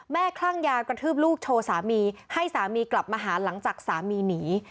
คลั่งยากระทืบลูกโชว์สามีให้สามีกลับมาหาหลังจากสามีหนี